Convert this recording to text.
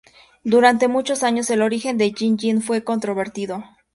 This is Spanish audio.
Durante muchos años, el origen de Yin Yin fue controvertido.